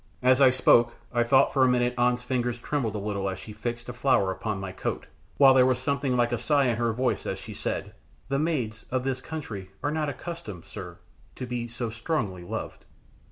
As I spoke I thought for a minute An's fingers trembled a little as she fixed a flower upon my coat, while there was something like a sigh in her voice as she said "The maids of this country are not accustomed, sir, to be so strongly loved."